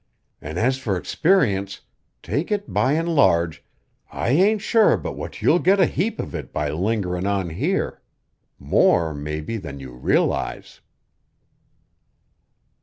"An' as for experience, take it by an' large, I ain't sure but what you'll get a heap of it by lingerin' on here more, mebbe, than you realize."